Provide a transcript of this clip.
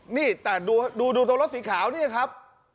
นี่แต่ดูตรงรถสีขาวนี่ครับ